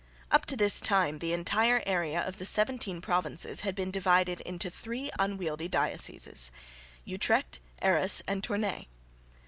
Up to this time the entire area of the seventeen provinces had been divided into three unwieldy dioceses Utrecht, Arras and Tournay.